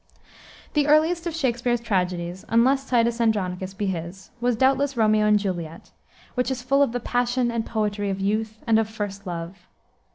The earliest of Shakspere's tragedies, unless Titus Andronicus be his, was, doubtless, Romeo and Juliet, which is full of the passion and poetry of youth and of first love.